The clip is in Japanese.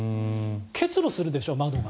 結露するでしょ、窓が。